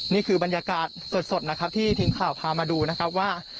นี่คือบรรยากาศสดนะครับที่ทีมข่าวพามาดูนะครับว่า